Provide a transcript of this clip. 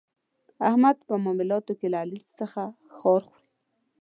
احمد په معاملاتو کې له علي څخه خار خوري.